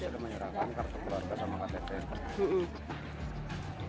sudah menyerahkan kartu keluarga sama ktp